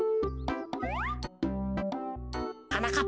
はなかっ